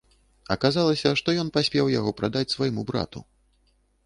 Аказалася, што ён паспеў яго прадаць свайму брату.